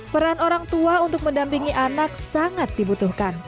peran orang tua untuk mendampingi anak sangat dibutuhkan